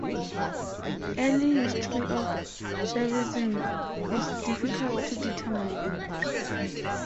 Early history of Shaivism is difficult to determine.